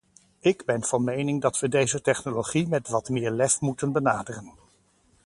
Ik ben van mening dat we deze technologie met wat meer lef moeten benaderen.